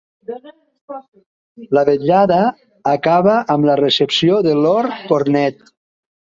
La vetllada acaba amb la Recepció de Lord Cornet.